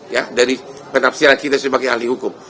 ya dari penafsiran kita sebagai ahli hukum